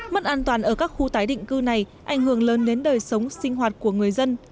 mất an toàn ở các khu tái định cư này ảnh hưởng lớn đến đời sống sinh hoạt của người dân